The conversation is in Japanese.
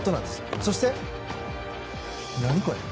そして、何これ？